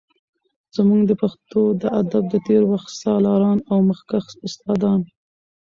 زمونږ د پښتو د ادب د تیر وخت سالاران او مخکښ استادان